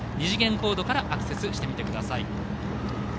２次元コードからアクセスしてみてください。